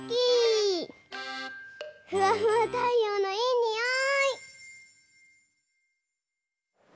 ふわふわたいようのいいにおい！